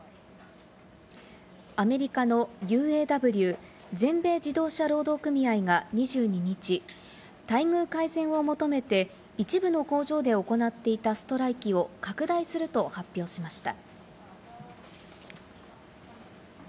アメリカのＵＡＷ＝全米自動車労働組合が２２日、待遇改善を求めて、一部の工場で行っていたストライキを拡大すると発表しました。